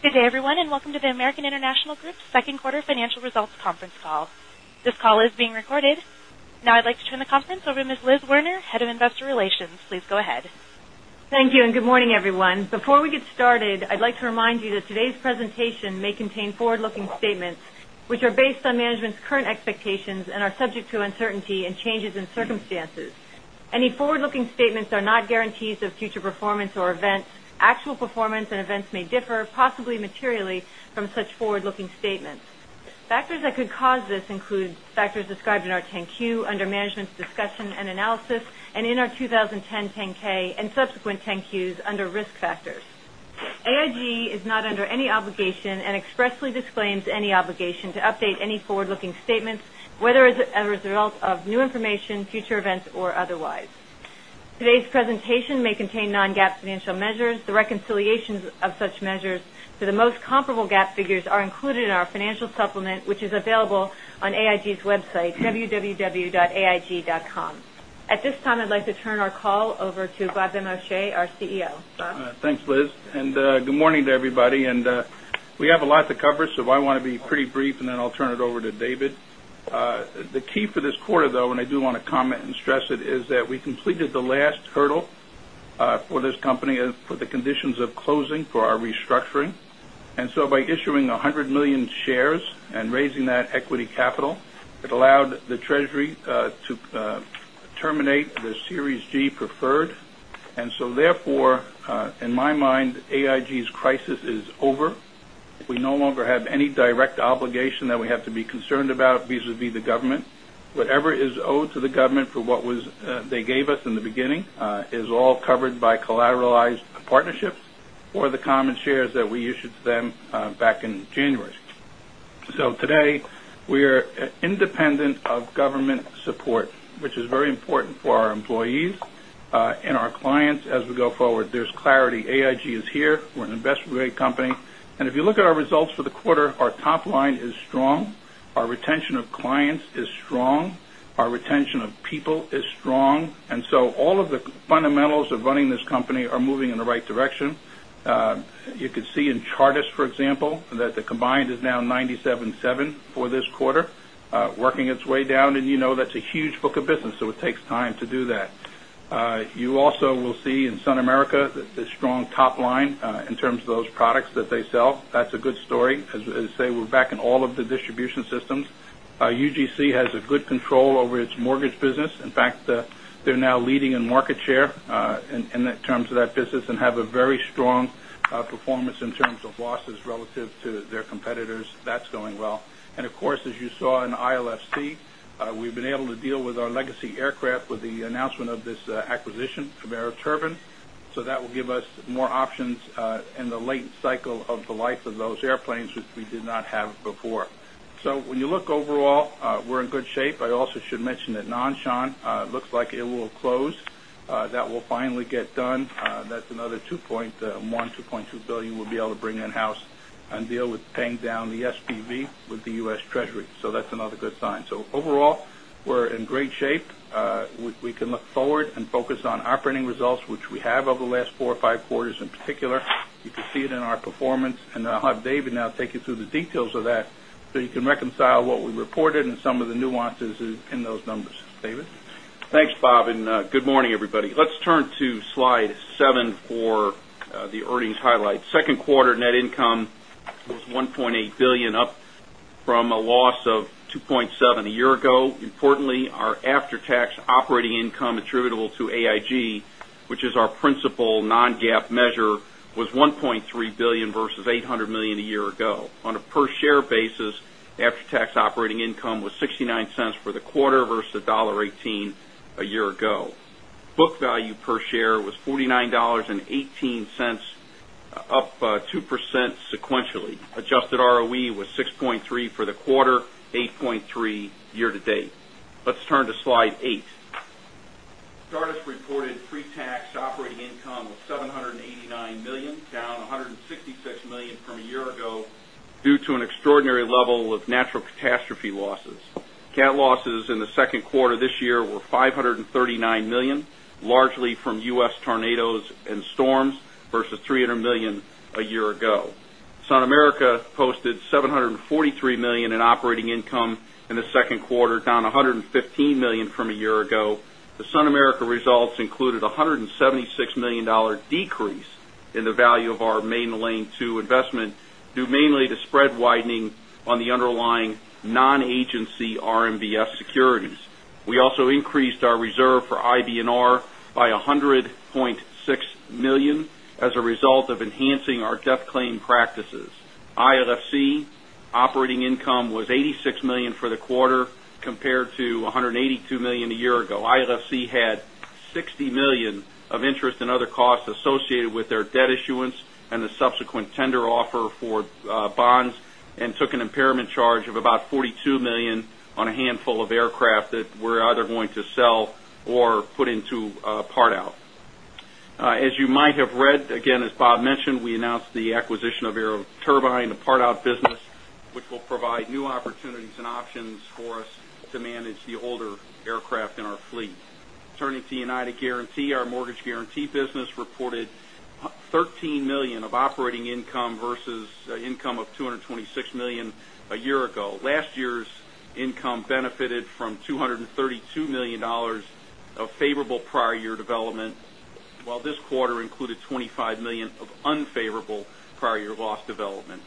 Good day, everyone, and welcome to the American International Group second quarter financial results conference call. This call is being recorded. Now, I'd like to turn the conference over to Ms. Elizabeth Werner, Head of Investor Relations. Please go ahead. Thank you, and good morning, everyone. Before we get started, I'd like to remind you that today's presentation may contain forward-looking statements, which are based on management's current expectations and are subject to uncertainty and changes in circumstances. Any forward-looking statements are not guarantees of future performance or events. Actual performance and events may differ, possibly materially, from such forward-looking statements. Factors that could cause this include factors described in our 10-Q under Management's Discussion and Analysis, and in our 2010 10-K and subsequent 10-Qs under Risk Factors. AIG is not under any obligation and expressly disclaims any obligation to update any forward-looking statements, whether as a result of new information, future events, or otherwise. Today's presentation may contain non-GAAP financial measures. The reconciliations of such measures to the most comparable GAAP figures are included in our financial supplement, which is available on AIG's website, www.aig.com. At this time, I'd like to turn our call over to Robert Benmosche, our CEO. Bob? Thanks, Liz, and good morning to everybody. We have a lot to cover, so I want to be pretty brief, then I'll turn it over to David. The key for this quarter, though, and I do want to comment and stress it, is that we completed the last hurdle for this company for the conditions of closing for our restructuring. By issuing 100 million shares and raising that equity capital, it allowed the Treasury to terminate the Series G preferred. Therefore, in my mind, AIG's crisis is over. We no longer have any direct obligation that we have to be concerned about vis-a-vis the government. Whatever is owed to the government for what they gave us in the beginning is all covered by collateralized partnerships or the common shares that we issued to them back in January. Today, we are independent of government support, which is very important for our employees and our clients as we go forward. There's clarity. AIG is here. We're an investment-grade company. If you look at our results for the quarter, our top line is strong, our retention of clients is strong, our retention of people is strong. All of the fundamentals of running this company are moving in the right direction. You could see in Chartis, for example, that the combined is now 97.7% for this quarter, working its way down, and you know that's a huge book of business, so it takes time to do that. You also will see in SunAmerica the strong top line in terms of those products that they sell. That's a good story because they were back in all of the distribution systems. UGC has a good control over its mortgage business. In fact, they're now leading in market share in terms of that business and have a very strong performance in terms of losses relative to their competitors. That's going well. Of course, as you saw in ILFC, we've been able to deal with our legacy aircraft with the announcement of this acquisition from AeroTurbine. That will give us more options in the late cycle of the life of those airplanes, which we did not have before. When you look overall, we're in good shape. I also should mention that Nan Shan looks like it will close. That will finally get done. That's another $2.1 billion-$2.2 billion we'll be able to bring in-house and deal with paying down the SPV with the U.S. Treasury. That's another good sign. Overall, we're in great shape. We can look forward and focus on operating results, which we have over the last four or five quarters in particular. You can see it in our performance. Then I'll have David now take you through the details of that so you can reconcile what we reported and some of the nuances in those numbers. David? Thanks, Bob, good morning, everybody. Let's turn to slide seven for the earnings highlights. Second quarter net income was $1.8 billion, up from a loss of $2.7 billion a year ago. Importantly, our after-tax operating income attributable to AIG, which is our principal non-GAAP measure, was $1.3 billion versus $800 million a year ago. On a per-share basis, after-tax operating income was $0.69 for the quarter versus $1.18 a year ago. Book value per share was $49.18, up 2% sequentially. Adjusted ROE was 6.3% for the quarter, 8.3% year to date. Let's turn to slide eight. Chartis reported pre-tax operating income of $789 million, down $166 million from a year ago due to an extraordinary level of natural catastrophe losses. Cat losses in the second quarter this year were $539 million, largely from U.S. tornadoes and storms versus $300 million a year ago. SunAmerica posted $743 million in operating income in the second quarter, down $115 million from a year ago. The SunAmerica results included a $176 million decrease in the value of our Maiden Lane II investment due mainly to spread widening on the underlying non-agency RMBS securities. We also increased our reserve for IBNR by $100.6 million as a result of enhancing our death claim practices. ILFC operating income was $86 million for the quarter compared to $182 million a year ago. ILFC had $60 million of interest and other costs associated with their debt issuance and the subsequent tender offer for bonds and took an impairment charge of about $42 million on a handful of aircraft that we're either going to sell or put into part-out. As you might have read, again, as Bob mentioned, we announced the acquisition of AeroTurbine, the part-out business. This will provide new opportunities and options for us to manage the older aircraft in our fleet. Turning to United Guaranty, our mortgage guaranty business reported $13 million of operating income versus income of $226 million a year ago. Last year's income benefited from $232 million of favorable prior year development, while this quarter included $25 million of unfavorable prior year loss development.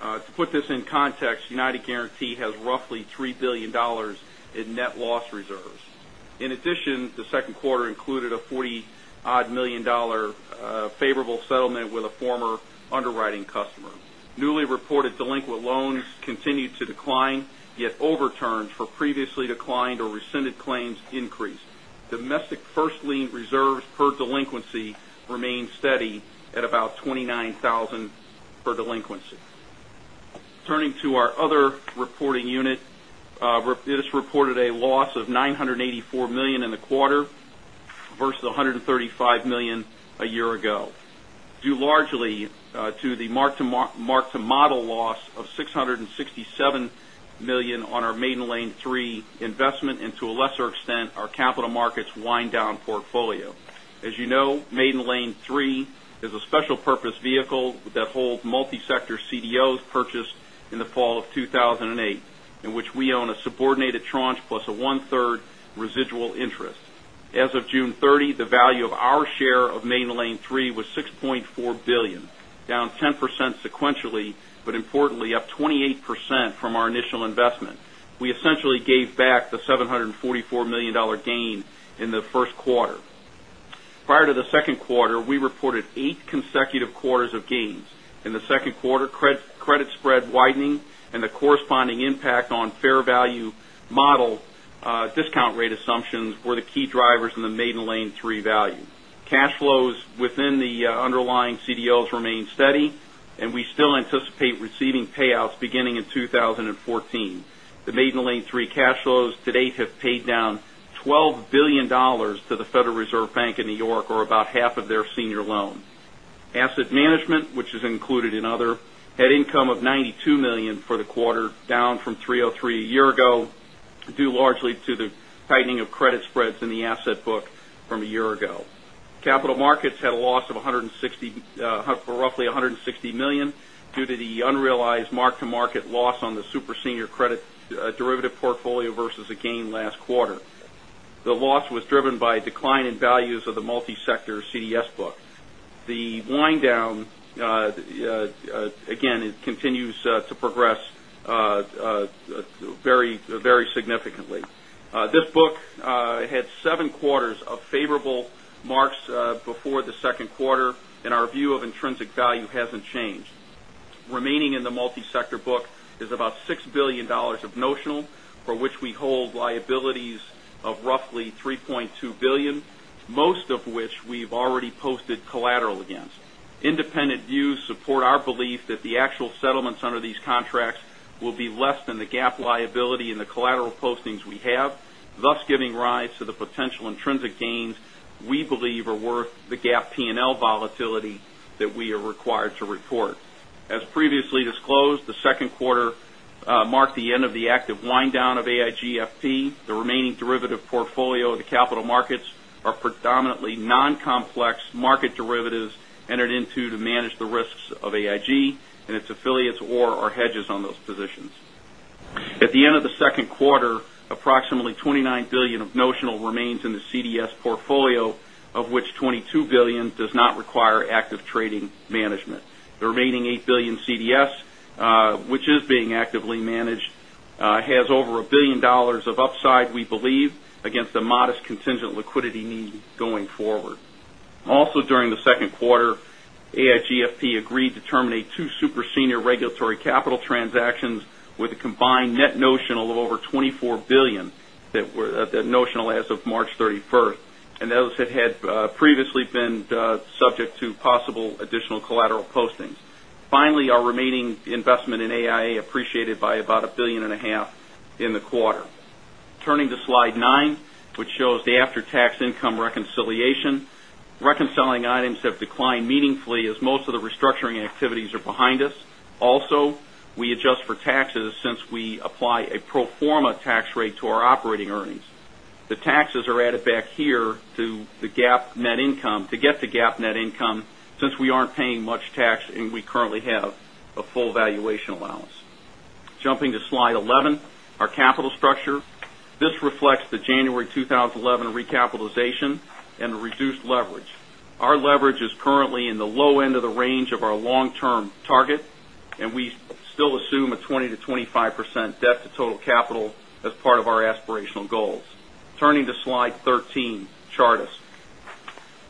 To put this in context, United Guaranty has roughly $3 billion in net loss reserves. In addition, the second quarter included a $40-odd million favorable settlement with a former underwriting customer. Newly reported delinquent loans continued to decline, yet overturned for previously declined or rescinded claims increased. Domestic first lien reserves per delinquency remain steady at about $29,000 per delinquency. Turning to our other reporting unit, this reported a loss of $984 million in the quarter versus $135 million a year ago, due largely to the mark-to-model loss of $667 million on our Maiden Lane III investment and, to a lesser extent, our capital markets wind down portfolio. As you know, Maiden Lane III is a special purpose vehicle that holds multi-sector CDOs purchased in the fall of 2008, in which we own a subordinated tranche plus a one-third residual interest. As of June 30, the value of our share of Maiden Lane III was $6.4 billion, down 10% sequentially, but importantly up 28% from our initial investment. We essentially gave back the $744 million gain in the first quarter. Prior to the second quarter, we reported eight consecutive quarters of gains. In the second quarter, credit spread widening and the corresponding impact on fair value model discount rate assumptions were the key drivers in the Maiden Lane III value. Cash flows within the underlying CDOs remain steady, we still anticipate receiving payouts beginning in 2014. The Maiden Lane III cash flows to date have paid down $12 billion to the Federal Reserve Bank of New York, or about half of their senior loans. Asset Management, which is included in other, had income of $92 million for the quarter, down from $303 million a year ago, due largely to the tightening of credit spreads in the asset book from a year ago. Capital markets had a loss of roughly $160 million due to the unrealized mark-to-market loss on the super senior credit derivative portfolio versus a gain last quarter. The loss was driven by a decline in values of the multi-sector CDS book. The wind down, it continues to progress very significantly. This book had 7 quarters of favorable marks before the 2Q, and our view of intrinsic value hasn't changed. Remaining in the multi-sector book is about $6 billion of notional, for which we hold liabilities of roughly $3.2 billion, most of which we've already posted collateral against. Independent views support our belief that the actual settlements under these contracts will be less than the GAAP liability and the collateral postings we have, thus giving rise to the potential intrinsic gains we believe are worth the GAAP P&L volatility that we are required to report. As previously disclosed, the 2Q marked the end of the active wind down of AIG FP. The remaining derivative portfolio of the capital markets are predominantly non-complex market derivatives entered into to manage the risks of AIG and its affiliates or our hedges on those positions. At the end of the 2Q, approximately $29 billion of notional remains in the CDS portfolio, of which $22 billion does not require active trading management. The remaining $8 billion CDS, which is being actively managed, has over $1 billion of upside, we believe, against a modest contingent liquidity need going forward. During the 2Q, AIG FP agreed to terminate 2 super senior regulatory capital transactions with a combined net notional of over $24 billion, that notional as of March 31, and those had previously been subject to possible additional collateral postings. Finally, our remaining investment in AIA appreciated by about a billion and a half in the quarter. Turning to slide nine, which shows the after-tax income reconciliation. Reconciling items have declined meaningfully as most of the restructuring activities are behind us. We adjust for taxes since we apply a pro forma tax rate to our operating earnings. The taxes are added back here to get the GAAP net income, since we aren't paying much tax, and we currently have a full valuation allowance. Jumping to slide 11, our capital structure. This reflects the January 2011 recapitalization and a reduced leverage. Our leverage is currently in the low end of the range of our long-term target, and we still assume a 20%-25% debt to total capital as part of our aspirational goals. Turning to slide 13, Chartis.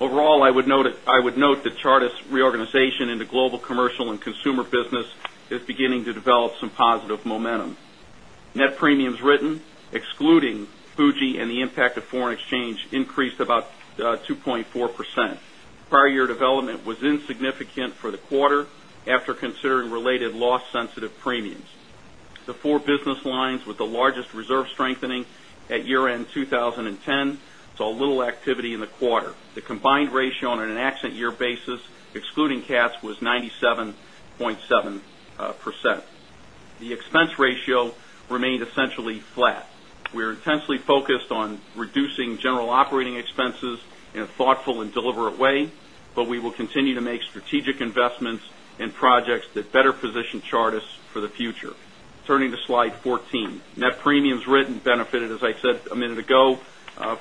I would note that Chartis reorganization into global commercial and consumer business is beginning to develop some positive momentum. Net premiums written, excluding Fuji and the impact of foreign exchange, increased about 2.4%. Prior year development was insignificant for the quarter after considering related loss sensitive premiums. The 4 business lines with the largest reserve strengthening at year-end 2010, saw little activity in the quarter. The combined ratio on an accident year basis, excluding cats, was 97.7%. The expense ratio remained essentially flat. We're intensely focused on reducing general operating expenses in a thoughtful and deliberate way, we will continue to make strategic investments in projects that better position Chartis for the future. Turning to slide 14. Net premiums written benefited, as I said a minute ago,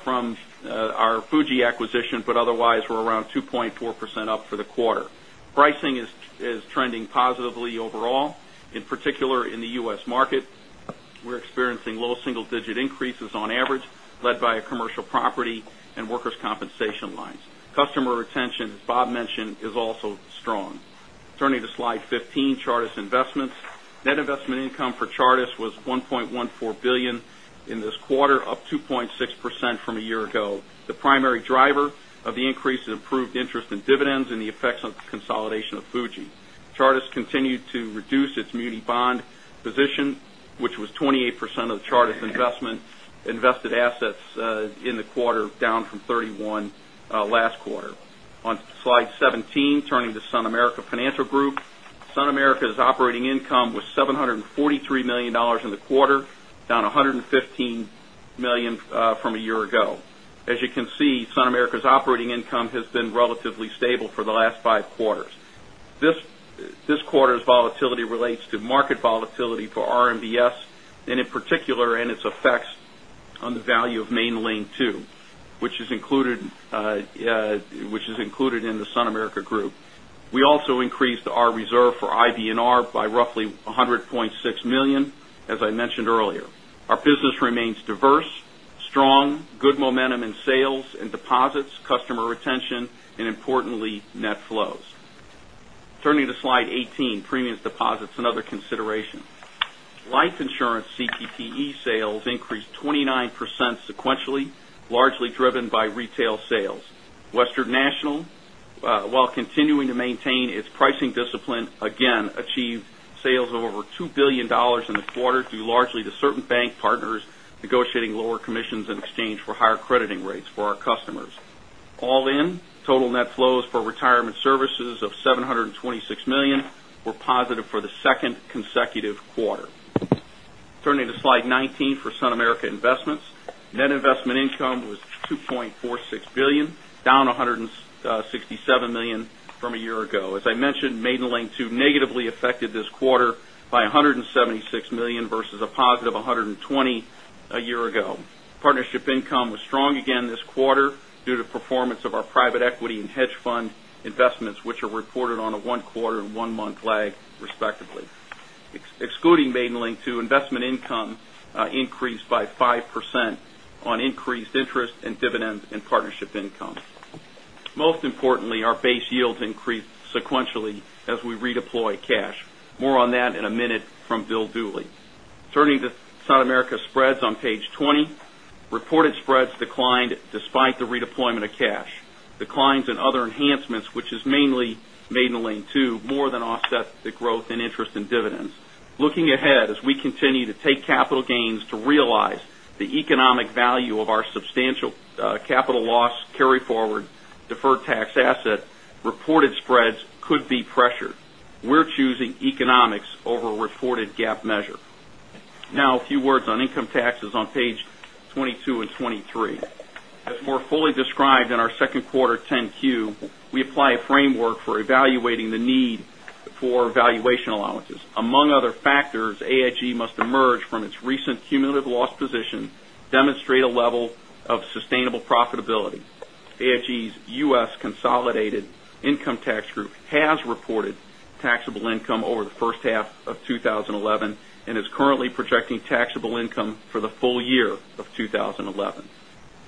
from our Fuji acquisition, otherwise were around 2.4% up for the quarter. Pricing is trending positively overall. In particular, in the U.S. market, we're experiencing low single-digit increases on average, led by our commercial property and workers' compensation lines. Customer retention, as Bob mentioned, is also strong. Turning to slide 15, Chartis investments. Net investment income for Chartis was $1.14 billion in this quarter, up 2.6% from a year ago. The primary driver of the increase is improved interest in dividends and the effects of the consolidation of Fuji. Chartis continued to reduce its muni bond position, which was 28% of Chartis investment invested assets in the quarter, down from 31% last quarter. On slide 17, turning to SunAmerica Financial Group. SunAmerica's operating income was $743 million in the quarter, down $115 million from a year ago. As you can see, SunAmerica's operating income has been relatively stable for the last five quarters. This quarter's volatility relates to market volatility for RMBS, and in particular in its effects on the value of Maiden Lane II, which is included in the SunAmerica Group. We also increased our reserve for IBNR by roughly $100.6 million, as I mentioned earlier. Our business remains diverse, strong, good momentum in sales and deposits, customer retention, and importantly, net flows. Turning to slide 18, premiums, deposits, and other considerations. Life insurance CPTE sales increased 29% sequentially, largely driven by retail sales. Western National, while continuing to maintain its pricing discipline, again achieved sales of over $2 billion in the quarter due largely to certain bank partners negotiating lower commissions in exchange for higher crediting rates for our customers. All in, total net flows for retirement services of $726 million were positive for the second consecutive quarter. Turning to slide 19 for SunAmerica Investments. Net investment income was $2.46 billion, down $167 million from a year ago. As I mentioned, Maiden Lane II negatively affected this quarter by $176 million versus a positive $120 million a year ago. Partnership income was strong again this quarter due to performance of our private equity and hedge fund investments, which are reported on a one quarter and one-month lag, respectively. Excluding Maiden Lane II, investment income increased by 5% on increased interest in dividends and partnership income. Most importantly, our base yields increased sequentially as we redeploy cash. More on that in a minute from Bill Dooley. Turning to SunAmerica spreads on page 20. Reported spreads declined despite the redeployment of cash. Declines in other enhancements, which is mainly Maiden Lane II, more than offset the growth and interest in dividends. Looking ahead, as we continue to take capital gains to realize the economic value of our substantial capital loss carry-forward deferred tax asset, reported spreads could be pressured. We're choosing economics over a reported GAAP measure. Now, a few words on income taxes on page 22 and 23. As more fully described in our second quarter 10-Q, we apply a framework for evaluating the need for valuation allowances. Among other factors, AIG must emerge from its recent cumulative loss position, demonstrate a level of sustainable profitability. AIG's U.S. consolidated income tax group has reported taxable income over the first half of 2011 and is currently projecting taxable income for the full year of 2011.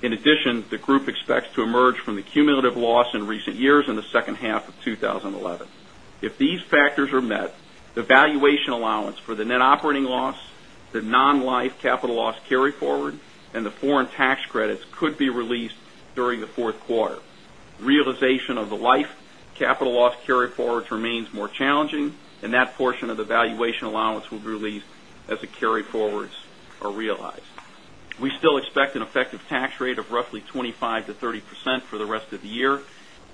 In addition, the group expects to emerge from the cumulative loss in recent years in the second half of 2011. If these factors are met, the valuation allowance for the net operating loss, the non-life capital loss carry-forward, and the foreign tax credits could be released during the fourth quarter. Realization of the life capital loss carry-forwards remains more challenging, and that portion of the valuation allowance will be released as the carry-forwards are realized. We still expect an effective tax rate of roughly 25%-30% for the rest of the year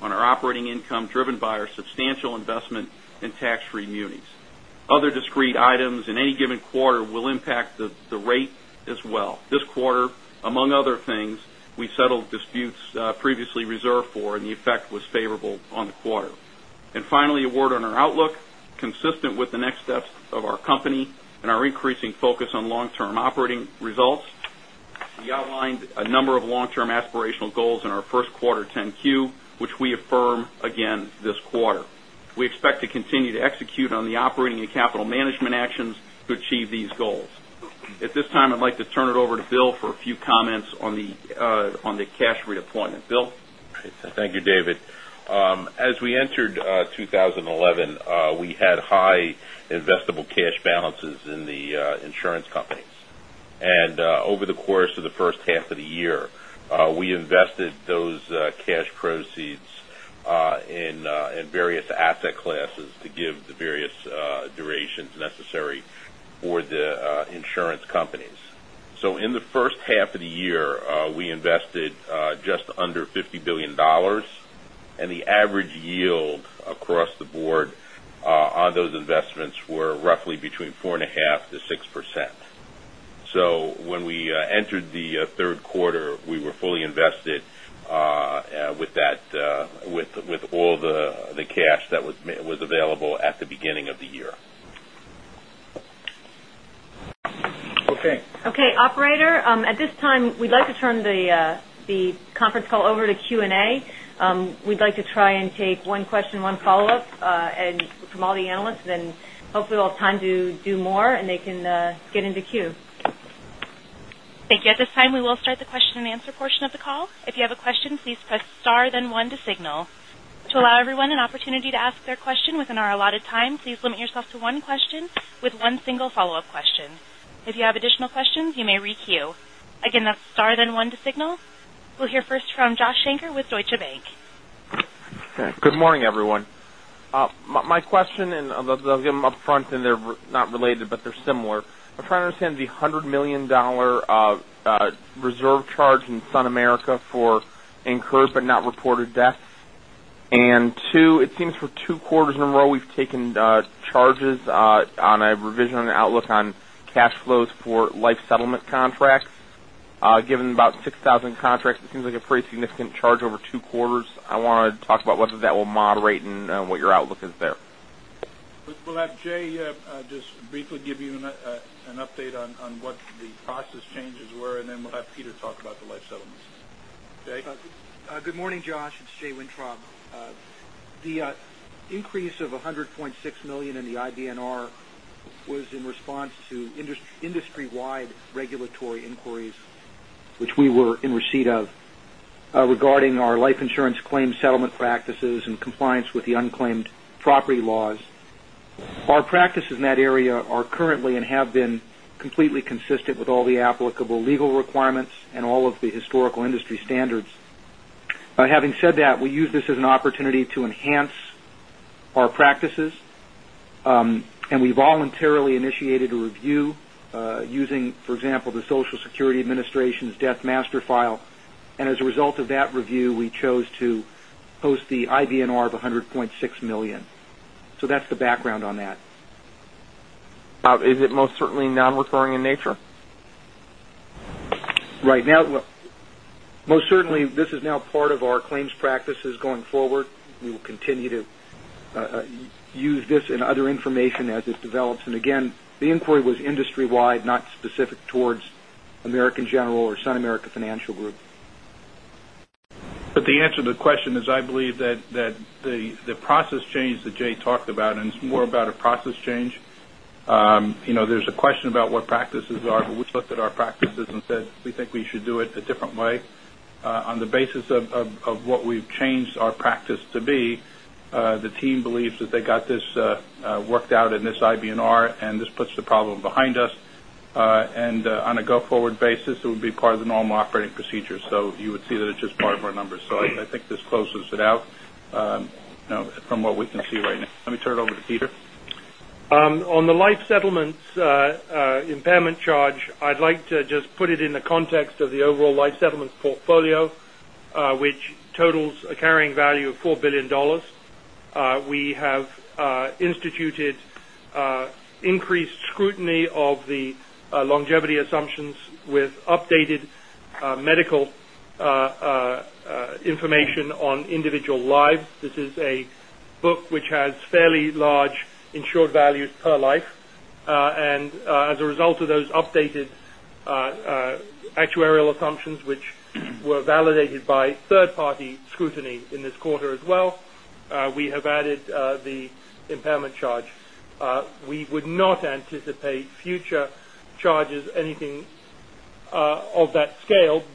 on our operating income driven by our substantial investment in tax-free munis. Other discrete items in any given quarter will impact the rate as well. This quarter, among other things, we settled disputes previously reserved for, the effect was favorable on the quarter. Finally, a word on our outlook. Consistent with the next steps of our company and our increasing focus on long-term operating results, we outlined a number of long-term aspirational goals in our first quarter 10-Q, which we affirm again this quarter. We expect to continue to execute on the operating and capital management actions to achieve these goals. At this time, I'd like to turn it over to Bill for a few comments on the cash redeployment. Bill? Thank you, David. As we entered 2011, we had high investable cash balances in the insurance companies. Over the course of the first half of the year, we invested those cash proceeds in various asset classes to give the various durations necessary for the insurance companies. In the first half of the year, we invested just under $50 billion, and the average yield across the board on those investments were roughly between 4.5%-6%. When we entered the third quarter, we were fully invested with all the cash that was available at the beginning of the year. Okay. Okay, operator. At this time, we'd like to turn the conference call over to Q&A. We'd like to try and take one question, one follow-up from all the analysts, then hopefully we'll have time to do more, and they can get into queue. Thank you. At this time, we will start the question and answer portion of the call. If you have a question, please press star then one to signal. To allow everyone an opportunity to ask their question within our allotted time, please limit yourself to one question with one single follow-up question. If you have additional questions, you may re-queue. Again, that's star then one to signal. We'll hear first from Joshua Shanker with Deutsche Bank. Good morning, everyone. My question, and I'll give them upfront, and they're not related, but they're similar. I'm trying to understand the $100 million reserve charge in SunAmerica for incurred but not reported deaths. Two, it seems for two quarters in a row, we've taken charges on a revision on the outlook on cash flows for life settlement contracts. Given about 6,000 contracts, it seems like a pretty significant charge over two quarters. I wanted to talk about whether that will moderate and what your outlook is there. We'll have Jay just briefly give you an update on what the process changes were, and then we'll have Peter talk about the life settlements. Jay? Good morning, Josh. It's Jay Wintrob. The increase of $100.6 million in the IBNR was in response to industry-wide regulatory inquiries, which we were in receipt of regarding our life insurance claim settlement practices and compliance with the unclaimed property laws. Our practices in that area are currently and have been completely consistent with all the applicable legal requirements and all of the historical industry standards. Having said that, we use this as an opportunity to enhance our practices. We voluntarily initiated a review using, for example, the Social Security Administration's death master file. As a result of that review, we chose to post the IBNR of $100.6 million. That's the background on that. Is it most certainly non-recurring in nature? Right now, most certainly, this is now part of our claims practices going forward. We will continue to use this and other information as this develops. Again, the inquiry was industry-wide, not specific towards American General or SunAmerica Financial Group. The answer to the question is, I believe that the process change that Jay talked about, it's more about a process change. There's a question about what practices are, we looked at our practices and said, we think we should do it a different way. On the basis of what we've changed our practice to be, the team believes that they got this worked out in this IBNR, this puts the problem behind us. On a go-forward basis, it would be part of the normal operating procedure. You would see that it's just part of our numbers. I think this closes it out from what we can see right now. Let me turn it over to Peter. On the life settlements impairment charge, I'd like to just put it in the context of the overall life settlements portfolio, which totals a carrying value of $4 billion. We have instituted increased scrutiny of the longevity assumptions with updated medical information on individual lives. This is a book which has fairly large insured values per life. As a result of those updated actuarial assumptions, which were validated by third-party scrutiny in this quarter as well, we have added the impairment charge.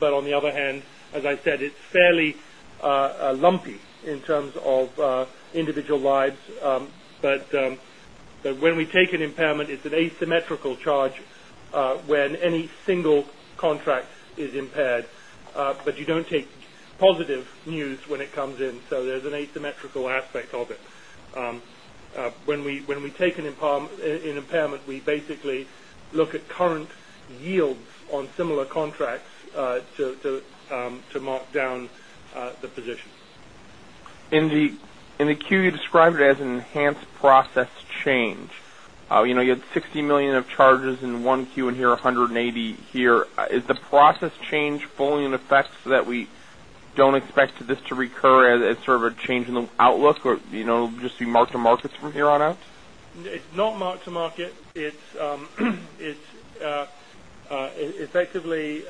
On the other hand, as I said, it's fairly lumpy in terms of individual lives. When we take an impairment, it's an asymmetrical charge when any single contract is impaired. You don't take positive news when it comes in, so there's an asymmetrical aspect of it. When we take an impairment, we basically look at current yields on similar contracts to mark down the position. In the queue, you described it as an enhanced process change. You had $60 million of charges in 1Q, and here $180 million here. Is the process change fully in effect so that we don't expect this to recur as sort of a change in the outlook, or just be mark-to-market from here on out? It's not mark-to-market. It's effectively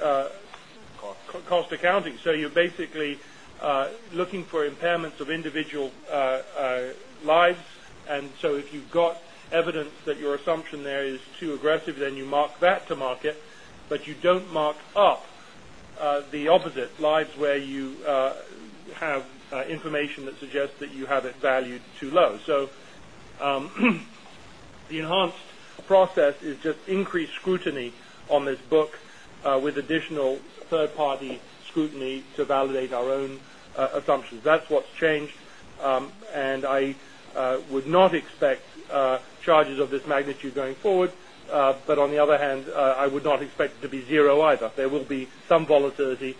cost accounting. You're basically looking for impairments of individual lives. If you've got evidence that your assumption there is too aggressive, then you mark that to market, you don't mark up The opposite lies where you have information that suggests that you have it valued too low. The enhanced process is just increased scrutiny on this book with additional third-party scrutiny to validate our own assumptions. That's what's changed, I would not expect charges of this magnitude going forward. On the other hand, I would not expect it to be zero either. There will be some volatility,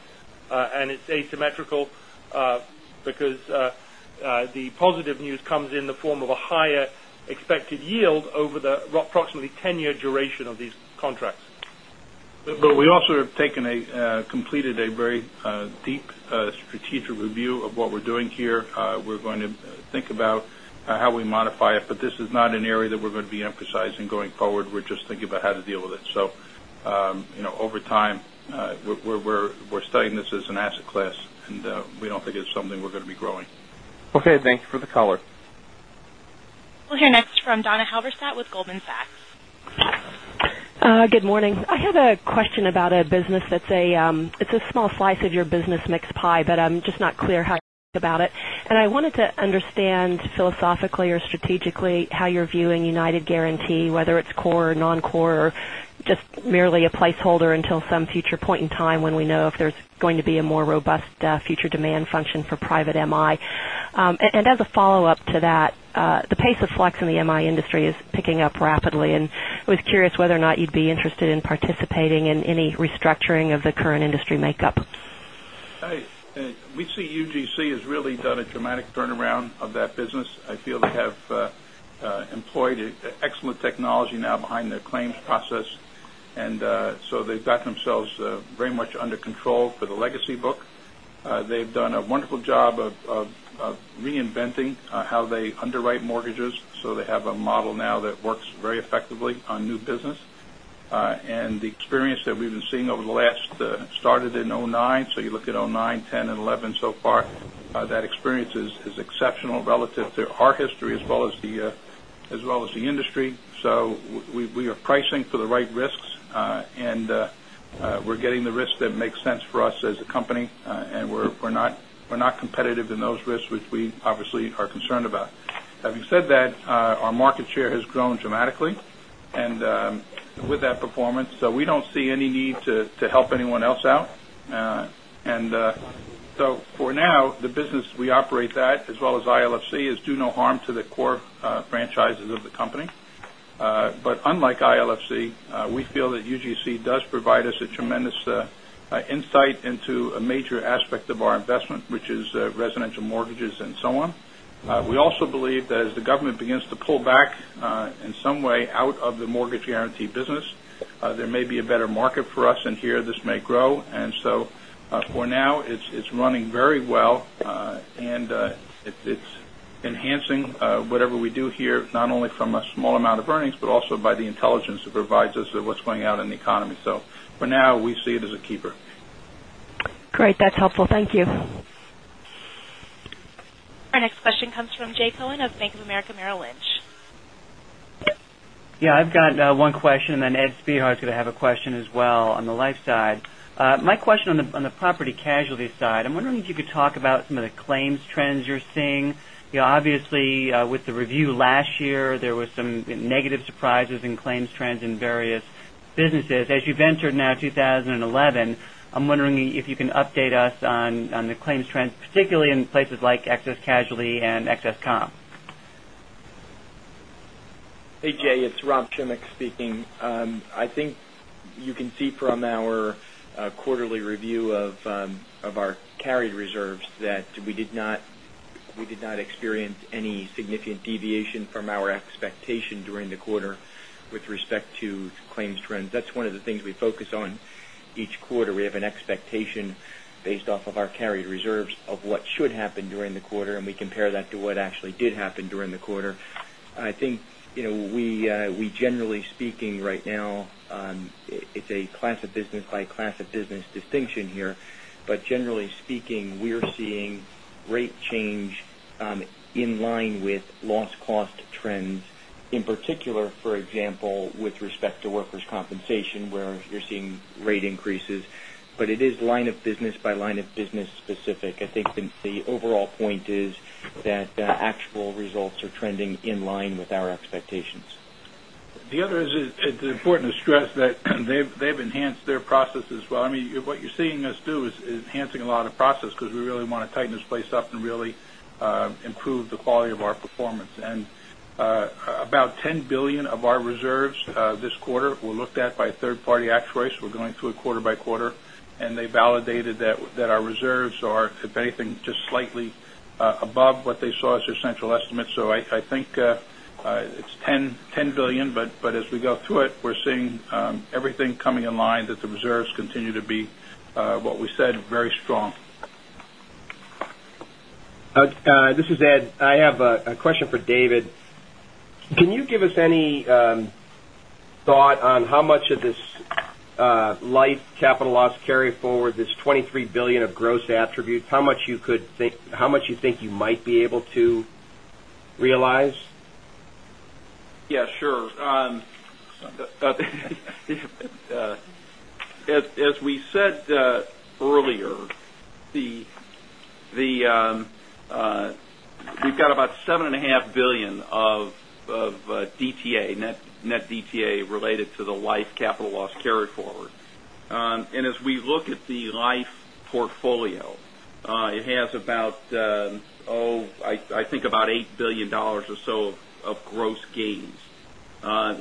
and it's asymmetrical because the positive news comes in the form of a higher expected yield over the approximately 10-year duration of these contracts. We also have completed a very deep strategic review of what we're doing here. We're going to think about how we modify it, this is not an area that we're going to be emphasizing going forward. We're just thinking about how to deal with it. Over time, we're studying this as an asset class, we don't think it's something we're going to be growing. Okay, thank you for the color. We'll hear next from Donna Halverstadt with Goldman Sachs. Good morning. I had a question about a business that's a small slice of your business mix pie, but I'm just not clear how you think about it. I wanted to understand philosophically or strategically how you're viewing United Guaranty, whether it's core or non-core, or just merely a placeholder until some future point in time when we know if there's going to be a more robust future demand function for private MI. As a follow-up to that, the pace of flux in the MI industry is picking up rapidly, and I was curious whether or not you'd be interested in participating in any restructuring of the current industry makeup. We see UGC has really done a dramatic turnaround of that business. I feel they have employed excellent technology now behind their claims process. They've got themselves very much under control for the legacy book. They've done a wonderful job of reinventing how they underwrite mortgages. They have a model now that works very effectively on new business. The experience that we've been seeing over the last, started in 2009, you look at 2009, 2010, and 2011 so far, that experience is exceptional relative to our history as well as the industry. We are pricing for the right risks, and we're getting the risks that make sense for us as a company. We're not competitive in those risks, which we obviously are concerned about. Having said that, our market share has grown dramatically, and with that performance. We don't see any need to help anyone else out. For now, the business we operate that, as well as ILFC, is do no harm to the core franchises of the company. Unlike ILFC, we feel that UGC does provide us a tremendous insight into a major aspect of our investment, which is residential mortgages and so on. We also believe that as the government begins to pull back in some way out of the mortgage guaranty business, there may be a better market for us in here. This may grow. For now, it's running very well. It's enhancing whatever we do here, not only from a small amount of earnings but also by the intelligence it provides us of what's going out in the economy. For now, we see it as a keeper. Great. That's helpful. Thank you. Our next question comes from Jay Cohen of Bank of America Merrill Lynch. I've got one question, then Ed Spehar is going to have a question as well on the life side. My question on the property casualty side, I'm wondering if you could talk about some of the claims trends you're seeing. Obviously, with the review last year, there were some negative surprises in claims trends in various businesses. As you've entered now 2011, I'm wondering if you can update us on the claims trends, particularly in places like excess casualty and excess comp. Hey, Jay, it's Rob Schimek speaking. I think you can see from our quarterly review of our carried reserves that we did not experience any significant deviation from our expectation during the quarter with respect to claims trends. That's one of the things we focus on each quarter. We have an expectation based off of our carried reserves of what should happen during the quarter, and we compare that to what actually did happen during the quarter. I think we, generally speaking right now, it's a class of business by class of business distinction here. Generally speaking, we're seeing rate change in line with loss cost trends, in particular, for example, with respect to workers' compensation, where you're seeing rate increases. It is line of business by line of business specific. I think the overall point is that the actual results are trending in line with our expectations. The other is it's important to stress that they've enhanced their process as well. What you're seeing us do is enhancing a lot of process because we really want to tighten this place up and really improve the quality of our performance. About $10 billion of our reserves this quarter were looked at by a third-party actuary. We're going through it quarter by quarter, and they validated that our reserves are, if anything, just slightly above what they saw as their central estimate. I think it's $10 billion, as we go through it, we're seeing everything coming in line that the reserves continue to be what we said, very strong. This is Ed Spehar. I have a question for David Herzog. Can you give us any thought on how much of this life capital loss carry forward, this $23 billion of gross attributes, how much you think you might be able to realize? Yeah, sure. As we said earlier, we've got about $7.5 billion of net DTA related to the life capital loss carry-forward. As we look at the life portfolio, it has about, I think, about $8 billion or so of gross gains. If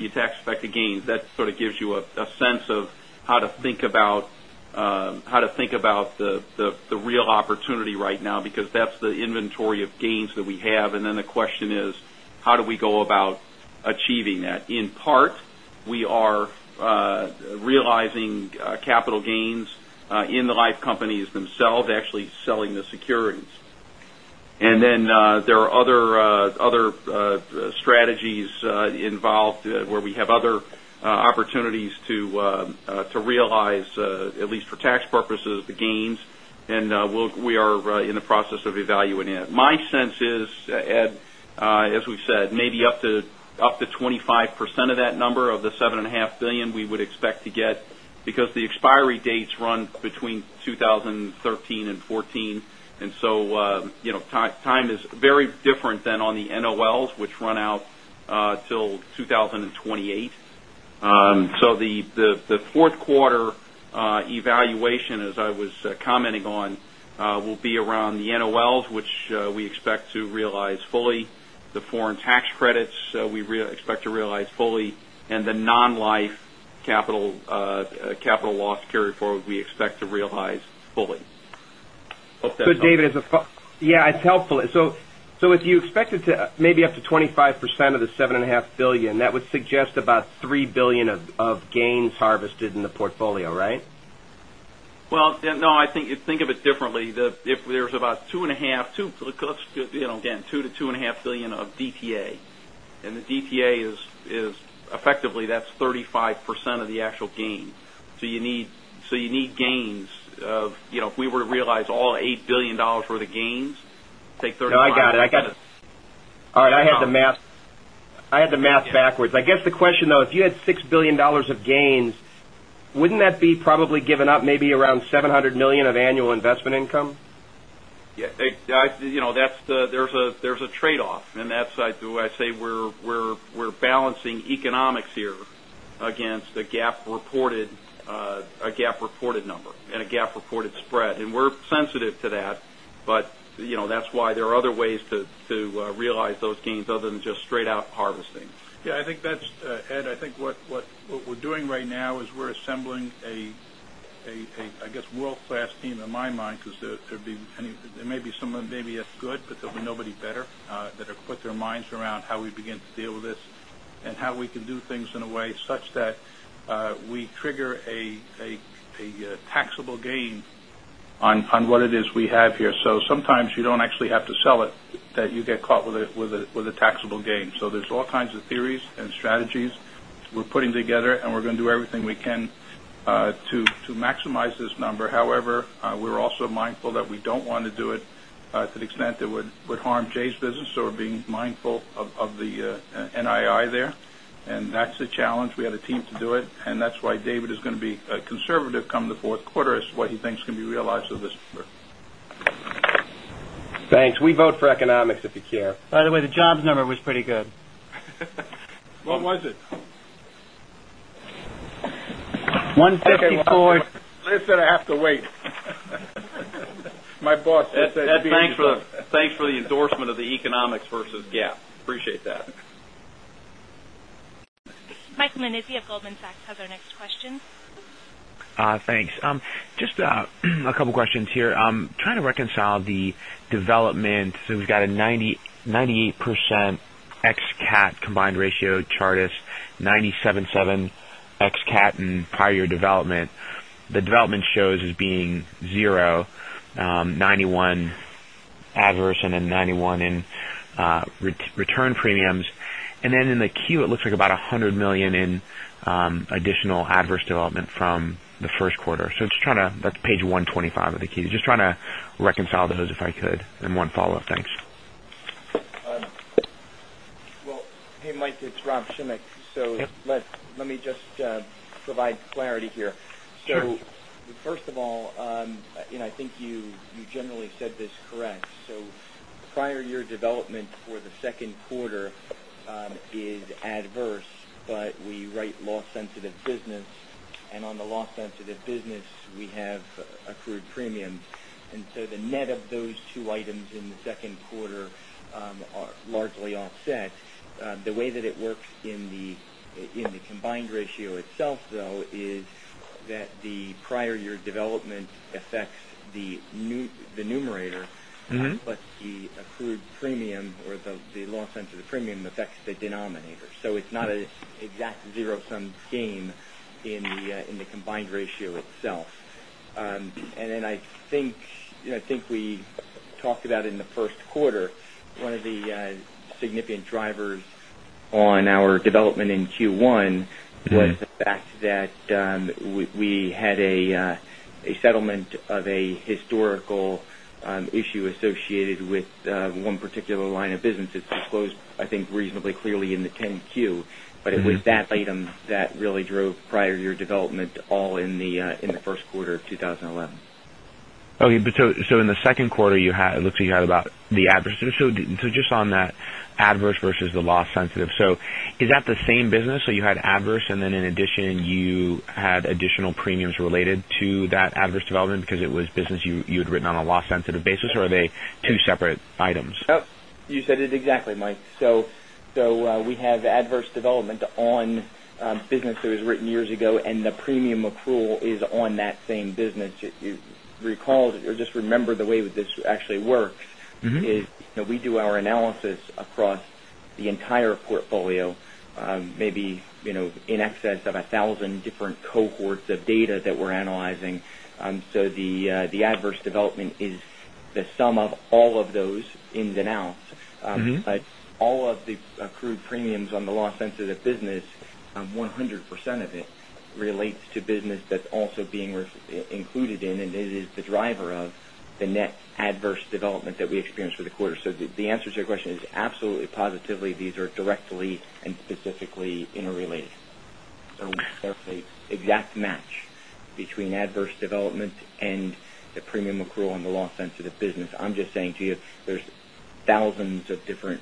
you tax-effect the gains, that sort of gives you a sense of how to think about the real opportunity right now, because that's the inventory of gains that we have. The question is: how do we go about achieving that? In part, we are realizing capital gains in the life companies themselves, actually selling the securities. There are other strategies involved where we have other opportunities to realize, at least for tax purposes, the gains. We are in the process of evaluating it. My sense is, Ed, as we've said, maybe up to 25% of that number, of the $7.5 billion we would expect to get because the expiry dates run between 2013 and 2014. Time is very different than on the NOLs, which run out till 2028. The fourth quarter evaluation, as I was commenting on, will be around the NOLs, which we expect to realize fully, the foreign tax credits we expect to realize fully, and the non-life capital loss carry-forward we expect to realize fully. Hope that's helpful. David, yeah, it's helpful. If you expect it to maybe up to 25% of the $7.5 billion, that would suggest about $3 billion of gains harvested in the portfolio, right? Well, no, I think of it differently. If there's about $2 billion to $2.5 billion of DTA, and the DTA is effectively 35% of the actual gain. You need gains of if we were to realize all $8 billion worth of gains. No, I got it. All right. I had the math backwards. I guess the question though, if you had $6 billion of gains, wouldn't that be probably given up maybe around $700 million of annual investment income? Yeah. That's why I say we're balancing economics here against a GAAP-reported number and a GAAP-reported spread. We're sensitive to that's why there are other ways to realize those gains other than just straight-out harvesting. Yeah, Ed, I think what we're doing right now is we're assembling a world-class team in my mind because there may be some maybe as good, there'll be nobody better that have put their minds around how we begin to deal with this and how we can do things in a way such that we trigger a taxable gain on what it is we have here. Sometimes you don't actually have to sell it, that you get caught with a taxable gain. There's all kinds of theories and strategies we're putting together, we're going to do everything we can to maximize this number. However, we're also mindful that we don't want to do it to the extent that it would harm Jay's business. We're being mindful of the NII there. That's the challenge. We have a team to do it, that's why David is going to be conservative come the fourth quarter as to what he thinks can be realized of this number. Thanks. We vote for economics if you care. The jobs number was pretty good. What was it? 154. Listen, I have to wait. My boss just said. Ed, thanks for the endorsement of the economics versus GAAP. Appreciate that. Michael Nannizzi of Goldman Sachs has our next question. Thanks. Just a couple of questions here. I'm trying to reconcile the development. We've got a 98% ex cat combined ratio Chartis, 97.7 ex cat in prior year development. The development shows as being zero, 91 adverse, and then 91 in return premiums. In the Q, it looks like about $100 million in additional adverse development from the first quarter. That's page 125 of the Q. Just trying to reconcile those if I could. One follow-up. Thanks. Well, hey, Mike, it's Rob Schimek. Yep. Let me just provide clarity here. Sure. First of all, I think you generally said this correct. Prior year development for the second quarter is adverse, we write loss-sensitive business, and on the loss-sensitive business, we have accrued premiums. The net of those two items in the second quarter are largely offset. The way that it works in the combined ratio itself, though, is that the prior year development affects the numerator. The accrued premium or the loss-sensitive premium affects the denominator. It's not an exact zero-sum game in the combined ratio itself. I think we talked about in the first quarter, one of the significant drivers On our development in Q1 was the fact that we had a settlement of a historical issue associated with one particular line of business. It's disclosed, I think, reasonably clearly in the 10-Q. It was that item that really drove prior year development all in the first quarter of 2011. Okay. In the second quarter, it looks like you had about the adverse. Just on that adverse versus the loss-sensitive. Is that the same business? You had adverse and then in addition, you had additional premiums related to that adverse development because it was business you'd written on a loss-sensitive basis, or are they two separate items? You said it exactly, Mike. We have adverse development on business that was written years ago, and the premium accrual is on that same business. If you recall, just remember the way that this actually works. is we do our analysis across the entire portfolio, maybe in excess of 1,000 different cohorts of data that we're analyzing. The adverse development is the sum of all of those ins and outs. All of the accrued premiums on the loss-sensitive business, 100% of it relates to business that's also being included in, and it is the driver of the net adverse development that we experienced for the quarter. The answer to your question is absolutely, positively, these are directly and specifically interrelated. There's an exact match between adverse development and the premium accrual on the loss-sensitive business. I'm just saying to you, there's thousands of different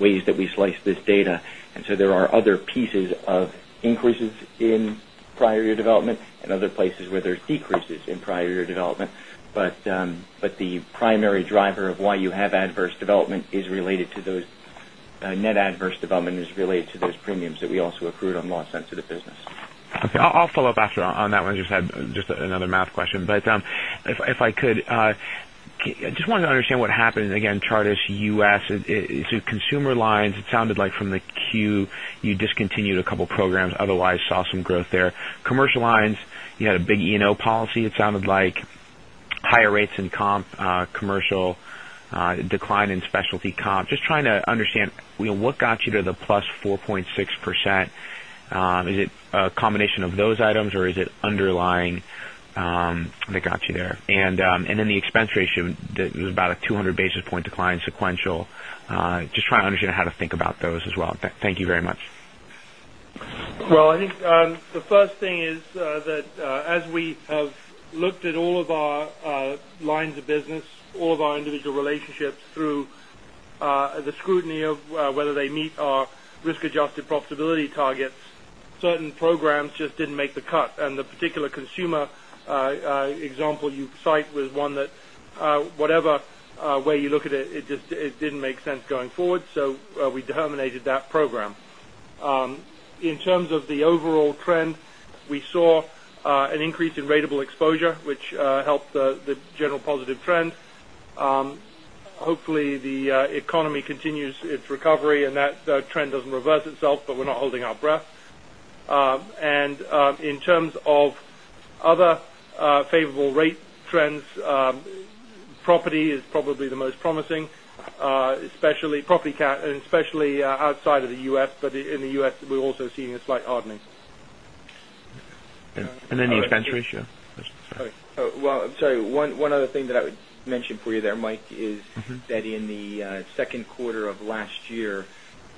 ways that we slice this data, there are other pieces of increases in prior year development and other places where there's decreases in prior year development. The primary driver of why you have adverse development is related to those premiums that we also accrued on loss-sensitive business. Okay. I'll follow up after on that one. Just had another math question. If I could, just wanted to understand what happened again, Chartis U.S. Consumer lines, it sounded like from the Q, you discontinued a couple programs, otherwise saw some growth there. Commercial lines, you had a big E&O policy. It sounded like higher rates in commercial, decline in specialty comp. Just trying to understand what got you to the plus 4.6%. Is it a combination of those items, or is it underlying that got you there? The expense ratio that was about a 200 basis point decline sequential. Just trying to understand how to think about those as well. Thank you very much. Well, I think the first thing is that as we have looked at all of our lines of business, all of our individual relationships through the scrutiny of whether they meet our risk-adjusted profitability targets, certain programs just didn't make the cut. The particular consumer example you cite was one that, whatever way you look at it didn't make sense going forward. We terminated that program. In terms of the overall trend, we saw an increase in ratable exposure, which helped the general positive trend. Hopefully, the economy continues its recovery and that trend doesn't reverse itself, but we're not holding our breath. In terms of other favorable rate trends, property is probably the most promising, especially property cat and especially outside of the U.S. In the U.S., we're also seeing a slight hardening. The expense ratio. Well, I'm sorry. One other thing that I would mention for you there, Mike. In the second quarter of last year,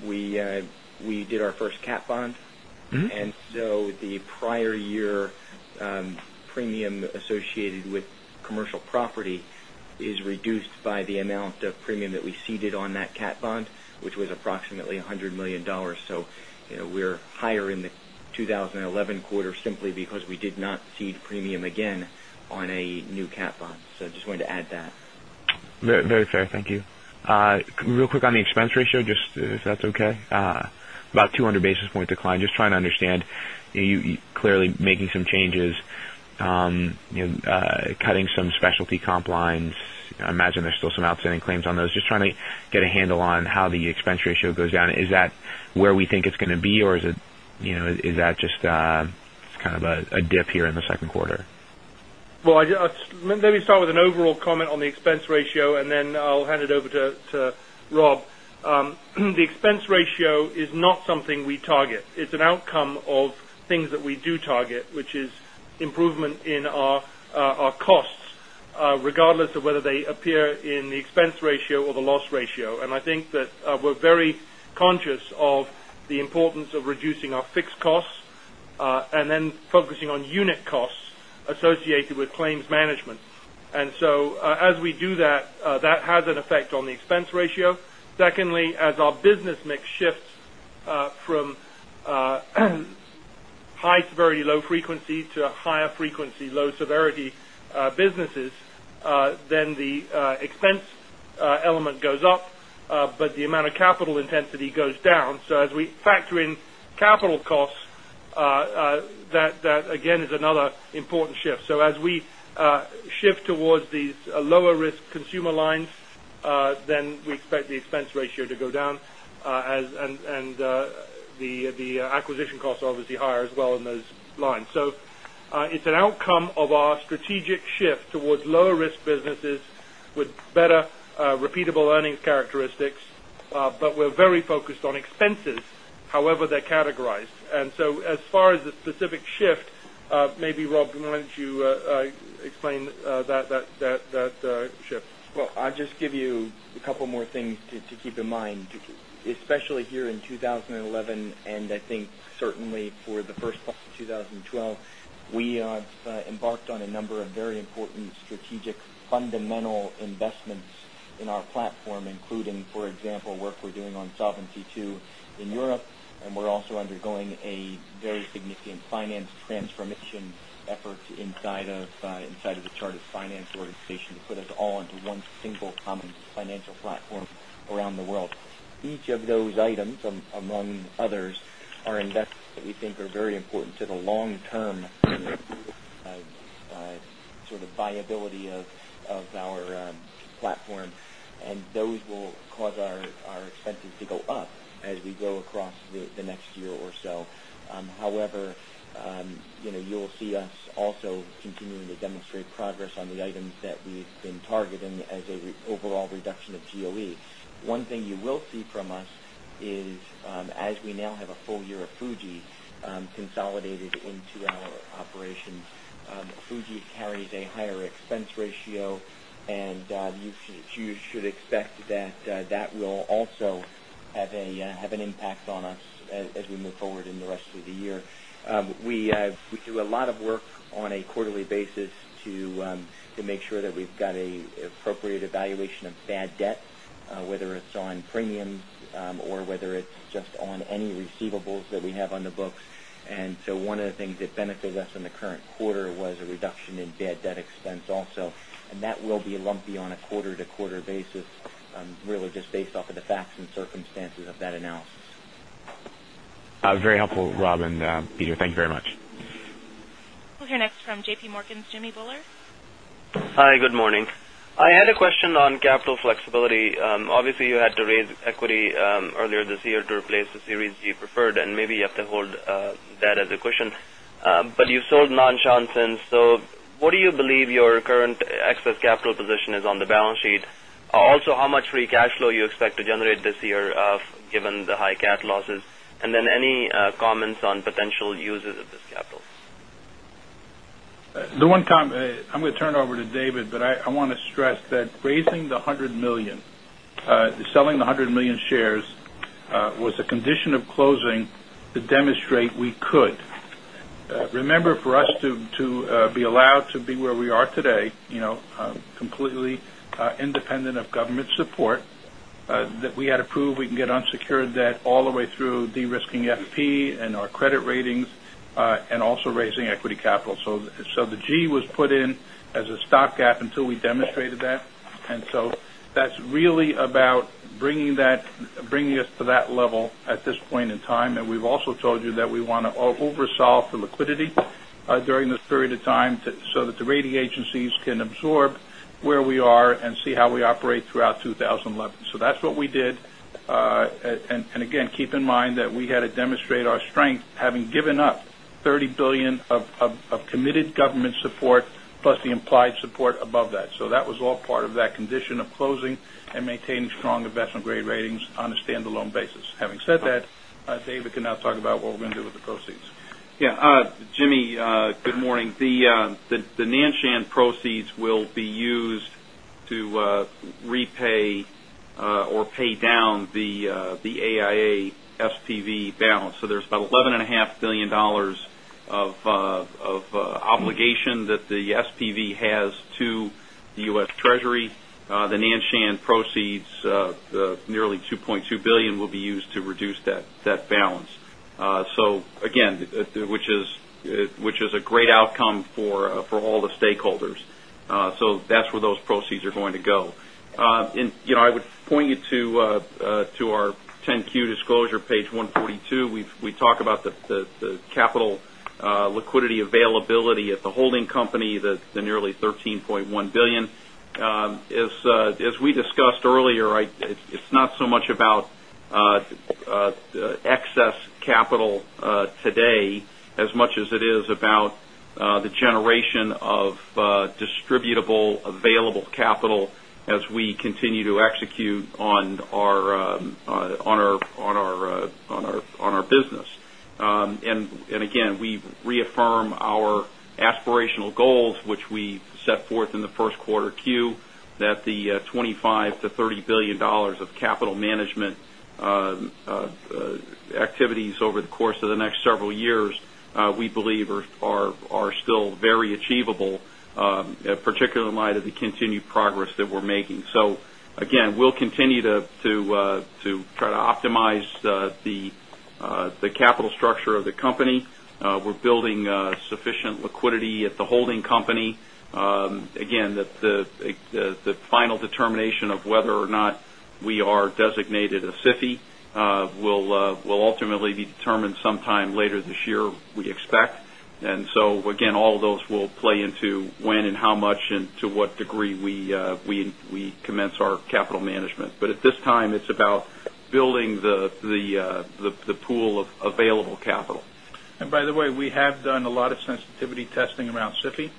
we did our first cat bond. The prior year premium associated with commercial property is reduced by the amount of premium that we ceded on that cat bond, which was approximately $100 million. We're higher in the 2011 quarter simply because we did not cede premium again on a new cat bond. I just wanted to add that. Very fair. Thank you. Real quick on the expense ratio, just if that's okay. About 200 basis point decline. Just trying to understand. You're clearly making some changes, cutting some specialty comp lines. I imagine there's still some outstanding claims on those. Just trying to get a handle on how the expense ratio goes down. Is that where we think it's going to be, or is that just kind of a dip here in the second quarter? Let me start with an overall comment on the expense ratio. Then I'll hand it over to Rob. The expense ratio is not something we target. It's an outcome of things that we do target, which is improvement in our costs, regardless of whether they appear in the expense ratio or the loss ratio. I think that we're very conscious of the importance of reducing our fixed costs and then focusing on unit costs associated with claims management. As we do that has an effect on the expense ratio. Secondly, as our business mix shifts from high to very low frequency to higher frequency, low severity businesses then the expense element goes up. The amount of capital intensity goes down. As we factor in capital costs, that again is another important shift. As we shift towards these lower risk consumer lines then we expect the expense ratio to go down. The acquisition cost is obviously higher as well in those lines. It's an outcome of our strategic shift towards lower risk businesses with better repeatable earnings characteristics. We're very focused on expenses, however they're categorized. As far as the specific shift, maybe, Rob, why don't you explain that shift? I'll just give you a couple more things to keep in mind, especially here in 2011, and I think certainly for the first part of 2012. We have embarked on a number of very important strategic, fundamental investments in our platform, including, for example, work we're doing on Solvency II in Europe, and we're also undergoing a very significant finance transformation effort inside of the Chartis finance organization to put us all into one single common financial platform around the world. Each of those items, among others, are investments that we think very important to the long-term sort of viability of our platform. Those will cause our expenses to go up as we go across the next year or so. However, you will see us also continuing to demonstrate progress on the items that we've been targeting as an overall reduction of GOE. One thing you will see from us is, as we now have a full year of Fuji consolidated into our operations, Fuji carries a higher expense ratio, and you should expect that will also have an impact on us as we move forward in the rest of the year. We do a lot of work on a quarterly basis to make sure that we've got an appropriate evaluation of bad debt, whether it's on premiums or whether it's just on any receivables that we have on the books. One of the things that benefited us in the current quarter was a reduction in bad debt expense also, and that will be lumpy on a quarter-to-quarter basis, really just based off of the facts and circumstances of that analysis. Very helpful, Rob and Peter. Thank you very much. We'll hear next from J.P. Morgan's Jimmy Bhullar. Hi, good morning. I had a question on capital flexibility. Obviously, you had to raise equity earlier this year to replace the Series G preferred, and maybe you have to hold that as a question. You sold Nan Shan since. What do you believe your current excess capital position is on the balance sheet? Also, how much free cash flow you expect to generate this year, given the high cat losses, and then any comments on potential uses of this capital? The one comment, I'm going to turn it over to David, I want to stress that raising the $100 million, selling the $100 million shares, was a condition of closing to demonstrate we could. Remember, for us to be allowed to be where we are today, completely independent of government support, that we had to prove we can get unsecured debt all the way through de-risking FP and our credit ratings, and also raising equity capital. The G was put in as a stopgap until we demonstrated that. That's really about bringing us to that level at this point in time. We've also told you that we want to over-solve for liquidity during this period of time, so that the rating agencies can absorb where we are and see how we operate throughout 2011. That's what we did. Again, keep in mind that we had to demonstrate our strength, having given up $30 billion of committed government support, plus the implied support above that. That was all part of that condition of closing and maintaining strong investment-grade ratings on a standalone basis. Having said that, David can now talk about what we're going to do with the proceeds. Yeah. Jimmy, good morning. The Nan Shan proceeds will be used to repay, or pay down the AIA SPV balance. There's about $11.5 billion of obligation that the SPV has to the U.S. Treasury. The Nan Shan proceeds, the nearly $2.2 billion, will be used to reduce that balance. Again, which is a great outcome for all the stakeholders. That's where those proceeds are going to go. I would point you to our 10-Q disclosure, page 142. We talk about the capital liquidity availability at the holding company, the nearly $13.1 billion. As we discussed earlier, it's not so much about excess capital today as much as it is about the generation of distributable available capital as we continue to execute on our business. Again, we reaffirm our aspirational goals, which we set forth in the first quarter Q, that the $25 billion-$30 billion of capital management activities over the course of the next several years, we believe are still very achievable, particularly in light of the continued progress that we're making. Again, we'll continue to try to optimize the capital structure of the company. We're building sufficient liquidity at the holding company. Again, the final determination of whether or not we are designated a SIFI will ultimately be determined sometime later this year, we expect. Again, all of those will play into when and how much and to what degree we commence our capital management. At this time, it's about building the pool of available capital. By the way, we have done a lot of sensitivity testing around SIFI,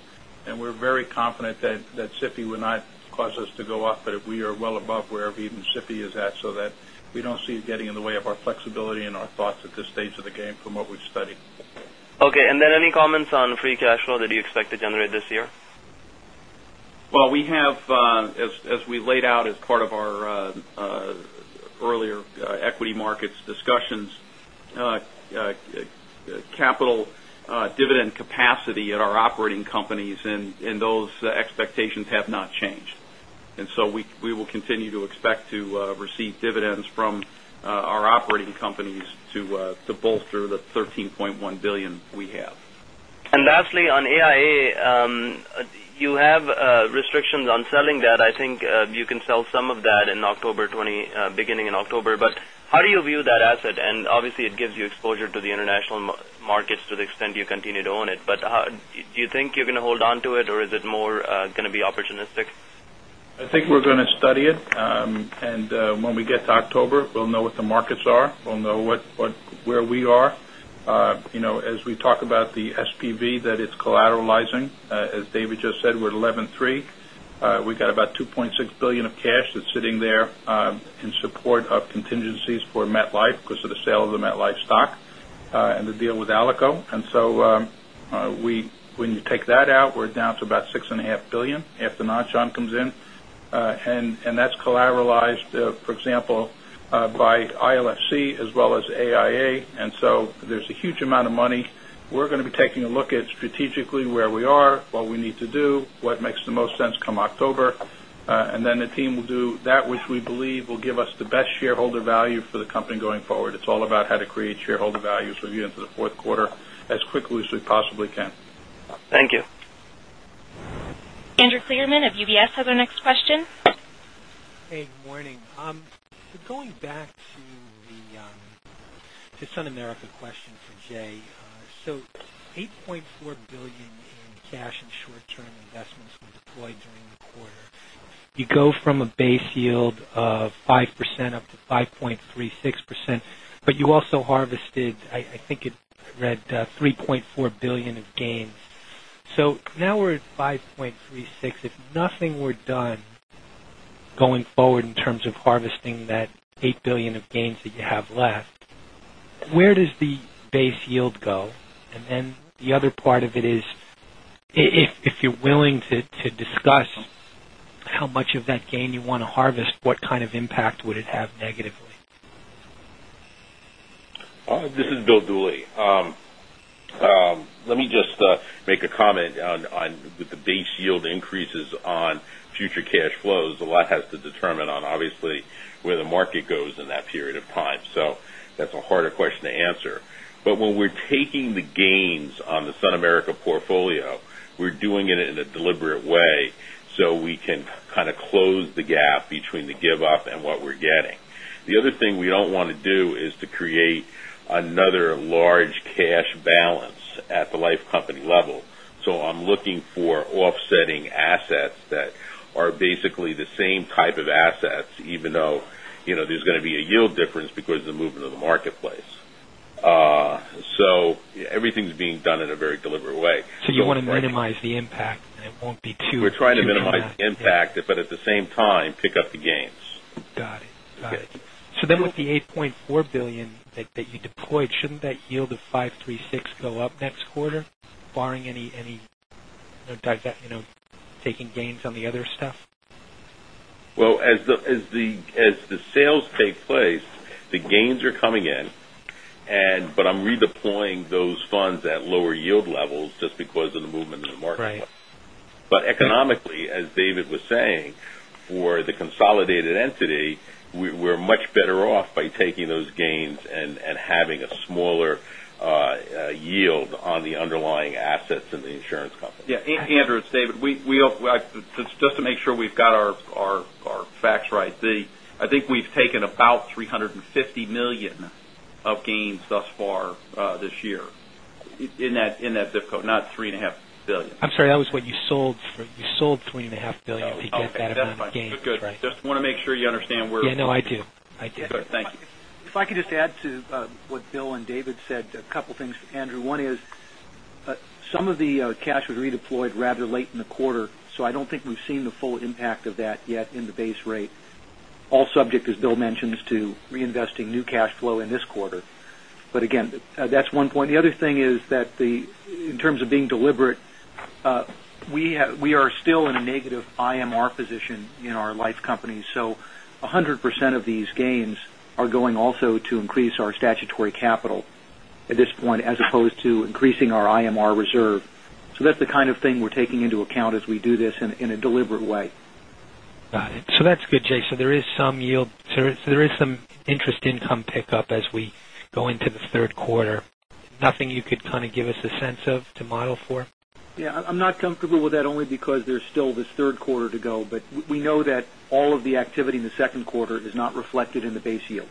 and we're very confident that SIFI will not cause us to go up, but we are well above wherever even SIFI is at, so that we don't see it getting in the way of our flexibility and our thoughts at this stage of the game from what we've studied. Okay. Any comments on free cash flow that you expect to generate this year? Well, we have, as we laid out as part of our earlier equity markets discussions, capital dividend capacity at our operating companies, those expectations have not changed. We will continue to expect to receive dividends from our operating companies to bolster the $13.1 billion we have. Lastly, on AIA, you have restrictions on selling that. I think you can sell some of that beginning in October. How do you view that asset? Obviously, it gives you exposure to the international markets to the extent you continue to own it. Do you think you're going to hold onto it or is it more going to be opportunistic? I think we're going to study it. When we get to October, we'll know what the markets are. We'll know where we are. As we talk about the SPV that it's collateralizing, as David just said, we're at 11.3. We've got about $2.6 billion of cash that's sitting there in support of contingencies for MetLife because of the sale of the MetLife stock and the deal with Alico. When you take that out, we're down to about $6.5 billion if the Nan Shan comes in. That's collateralized, for example, by ILFC as well as AIA. There's a huge amount of money. We're going to be taking a look at strategically where we are, what we need to do, what makes the most sense come October. The team will do that which we believe will give us the best shareholder value for the company going forward. It's all about how to create shareholder value for you into the fourth quarter as quickly as we possibly can. Thank you. Andrew Kligerman of UBS has our next question. Good morning. Going back to the SunAmerica question for Jay. $8.4 billion in cash and short-term investments were deployed during the quarter. You go from a base yield of 5% up to 5.36%, but you also harvested, I think it read $3.4 billion of gains. Now we're at 5.36. If nothing were done going forward in terms of harvesting that $8 billion of gains that you have left, where does the base yield go? The other part of it is, if you're willing to discuss how much of that gain you want to harvest, what kind of impact would it have negatively? This is Bill Dooley. Let me just make a comment on with the base yield increases on future cash flows, a lot has to determine on obviously where the market goes in that period of time. That's a harder question to answer. When we're taking the gains on the SunAmerica portfolio, we're doing it in a deliberate way so we can kind of close the gap between the give up and what we're getting. The other thing we don't want to do is to create another large cash balance at the life company level. I'm looking for offsetting assets that are basically the same type of assets, even though there's going to be a yield difference because of the movement of the marketplace. Everything's being done in a very deliberate way. You want to minimize the impact, and it won't be too- We're trying to minimize the impact, but at the same time, pick up the gains. Got it. With the $8.4 billion that you deployed, shouldn't that yield of 536 go up next quarter, barring taking gains on the other stuff? Well, as the sales take place, the gains are coming in. I'm redeploying those funds at lower yield levels just because of the movement in the marketplace. Right. Economically, as David was saying, for the consolidated entity, we're much better off by taking those gains and having a smaller yield on the underlying assets in the insurance company. Yeah. Andrew, it's David. Just to make sure we've got our facts right. I think we've taken about $350 million of gains thus far this year in that ZIP code, not $3.5 billion. I'm sorry. That was what you sold $3.5 billion to get that amount of gains, right? Okay. That's fine. Good. Just want to make sure you understand where. Yeah, no, I do. Good. Thank you. If I could just add to what Bill and David said, a couple things, Andrew. One is, some of the cash was redeployed rather late in the quarter, so I don't think we've seen the full impact of that yet in the base rate. All subject, as Bill mentioned, is to reinvesting new cash flow in this quarter. Again, that's one point. The other thing is that in terms of being deliberate, we are still in a negative IMR position in our life company. 100% of these gains are going also to increase our statutory capital at this point as opposed to increasing our IMR reserve. That's the kind of thing we're taking into account as we do this in a deliberate way. Got it. That's good, Jay. There is some interest income pickup as we go into the third quarter. Nothing you could kind of give us a sense of to model for? Yeah. I'm not comfortable with that only because there's still this third quarter to go. We know that all of the activity in the second quarter is not reflected in the base yield.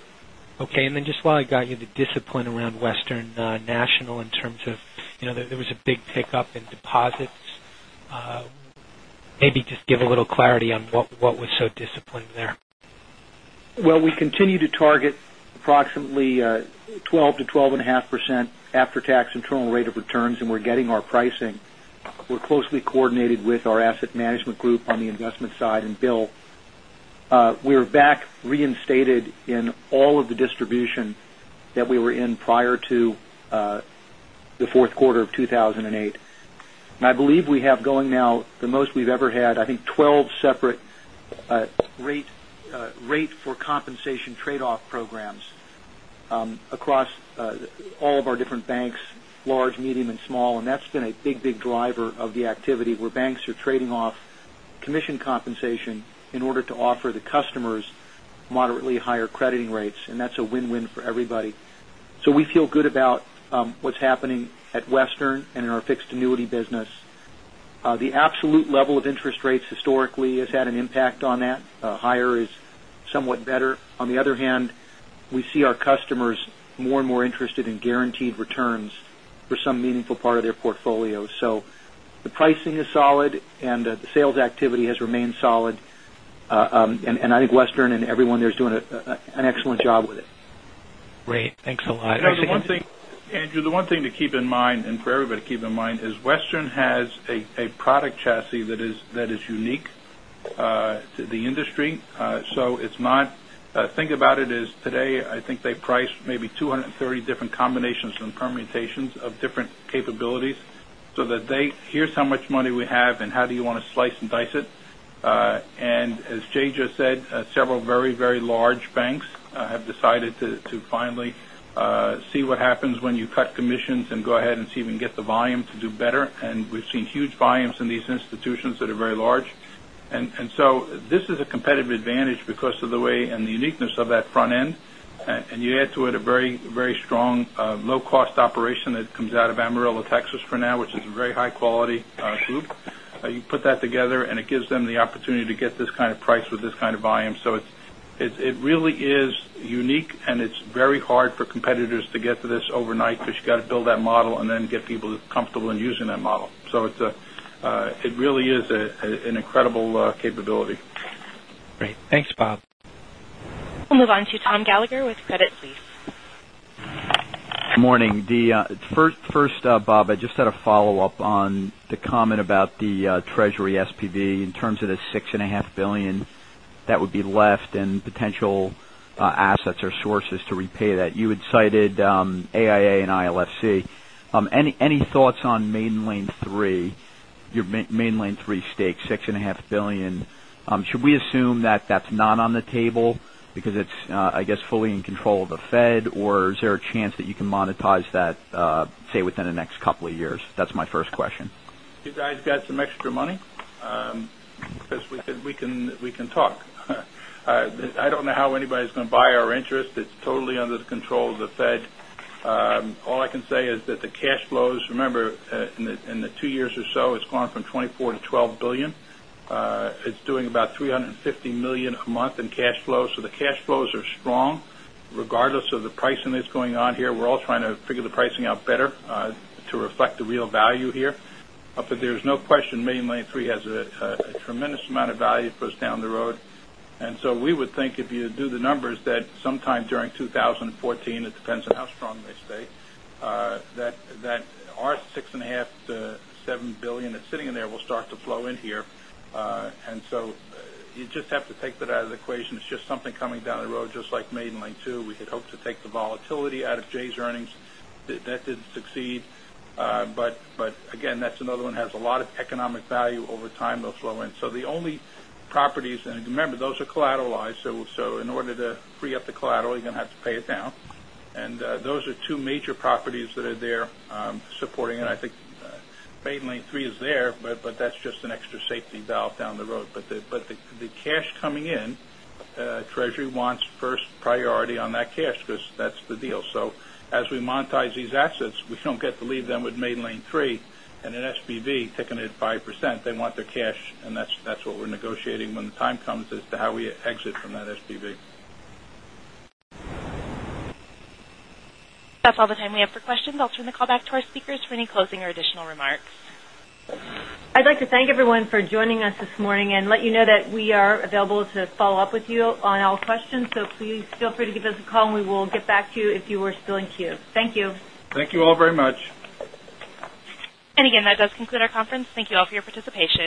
Okay. Then just while I got you, the discipline around Western National in terms of, there was a big pickup in deposits. Maybe just give a little clarity on what was so disciplined there. We continue to target approximately 12%-12.5% after-tax internal rate of returns. We're getting our pricing. We're closely coordinated with our asset management group on the investment side. Bill, we are back reinstated in all of the distribution that we were in prior to the fourth quarter of 2008. I believe we have going now the most we've ever had, I think 12 separate rate for compensation trade-off programs across all of our different banks, large, medium, and small. That's been a big driver of the activity where banks are trading off commission compensation in order to offer the customers moderately higher crediting rates. That's a win-win for everybody. We feel good about what's happening at Western and in our fixed annuity business. The absolute level of interest rates historically has had an impact on that. Higher is somewhat better. On the other hand, we see our customers more and more interested in guaranteed returns for some meaningful part of their portfolio. The pricing is solid, and the sales activity has remained solid. I think Western and everyone there is doing an excellent job with it. Great. Thanks a lot. The other thing, Andrew, the one thing to keep in mind, and for everybody to keep in mind, is Western has a product chassis that is unique to the industry. Think about it, as today, I think they priced maybe 230 different combinations and permutations of different capabilities so that they, "Here's how much money we have, and how do you want to slice and dice it?" As Jay just said, several very large banks have decided to finally see what happens when you cut commissions and go ahead and see if you can get the volume to do better. We've seen huge volumes in these institutions that are very large. This is a competitive advantage because of the way and the uniqueness of that front end. You add to it a very, very strong, low-cost operation that comes out of Amarillo, Texas, for now, which is a very high-quality group. You put that together, it gives them the opportunity to get this kind of price with this kind of volume. It really is unique, and it's very hard for competitors to get to this overnight because you got to build that model and then get people comfortable in using that model. It really is an incredible capability. Great. Thanks, Bob. We'll move on to Thomas Gallagher with Credit Suisse. Good morning. First, Bob, I just had a follow-up on the comment about the Treasury SPV in terms of the $6.5 billion that would be left and potential assets or sources to repay that. You had cited AIA and ILFC. Any thoughts on Maiden Lane III? Your Maiden Lane III stake, $6.5 billion. Should we assume that that's not on the table because it's fully in control of the Fed? Or is there a chance that you can monetize that, say, within the next couple of years? That's my first question. You guys got some extra money? We can talk. I don't know how anybody's going to buy our interest. It's totally under the control of the Fed. All I can say is that the cash flows, remember, in the two years or so, it's gone from $24 billion to $12 billion. It's doing about $350 million a month in cash flow. The cash flows are strong regardless of the pricing that's going on here. We're all trying to figure the pricing out better to reflect the real value here. There's no question Maiden Lane III has a tremendous amount of value for us down the road. We would think if you do the numbers, that sometime during 2014, it depends on how strong they stay, that our $6.5 billion-$7 billion that's sitting in there will start to flow in here. You just have to take that out of the equation. It's just something coming down the road, just like Maiden Lane II. We could hope to take the volatility out of Jay's earnings. That didn't succeed. Again, that's another one that has a lot of economic value over time, they'll flow in. The only properties, and remember, those are collateralized. In order to free up the collateral, you're going to have to pay it down. Those are two major properties that are there supporting it. I think Maiden Lane III is there, that's just an extra safety valve down the road. The cash coming in, Treasury wants first priority on that cash because that's the deal. As we monetize these assets, we don't get to leave them with Maiden Lane III and an SPV taking it 5%. They want their cash. That's what we're negotiating when the time comes as to how we exit from that SPV. That's all the time we have for questions. I'll turn the call back to our speakers for any closing or additional remarks. I'd like to thank everyone for joining us this morning and let you know that we are available to follow up with you on all questions. Please feel free to give us a call, and we will get back to you if you are still in queue. Thank you. Thank you all very much. Again, that does conclude our conference. Thank you all for your participation.